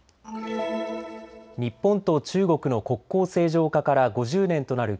日本と中国の国交正常化から５０年となる